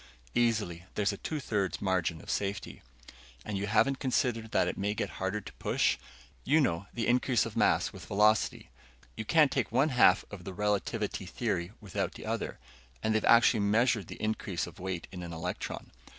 "Easily. There's a two thirds margin of safety." "And you haven't considered that it may get harder to push? You know the increase of mass with velocity. You can't take one half of the relativity theory without the other. And they've actually measured the increase of weight in an electron."